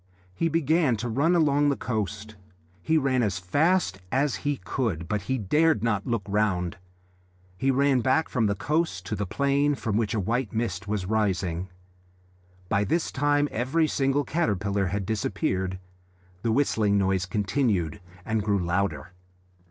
He began to run along the coast. He ran as fast as he could, but he dared not look round. He ran back from the coast to the plain, from which a white mist was rising. By this time every single caterpillar had disappeared. The whistling noise continued and grew louder.